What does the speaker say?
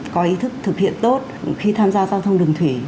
có ý thức thực hiện tốt khi tham gia giao thông đường thủy